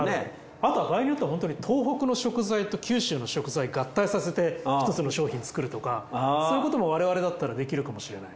あとは場合によっては本当に東北の食材と九州の食材合体させて一つの商品作るとかそういうことも我々だったらできるかもしれない。